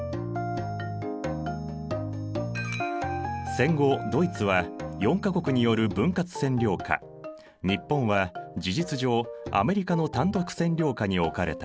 戦後ドイツは４か国による分割占領下日本は事実上アメリカの単独占領下におかれた。